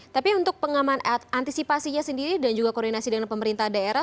tapi untuk pengaman antisipasinya sendiri dan juga koordinasi dengan pemerintah daerah